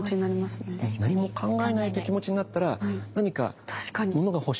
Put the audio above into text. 何も考えないという気持ちになったら何か物が欲しいとか。